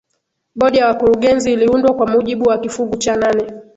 bodi ya wakurugenzi iliundwa kwa mujibu wa kifungu cha nane